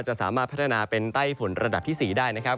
จะสามารถพัฒนาเป็นไต้ฝุ่นระดับที่๔ได้นะครับ